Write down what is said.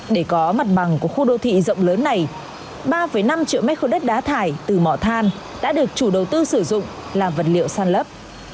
để có mặt bằng của khu đô thị rộng lớn này ba năm triệu m ba đất đá thải từ mỏ than đã được chủ đầu tư sử dụng làm vật liệu sàn lấp